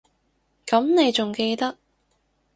噉你都仲記得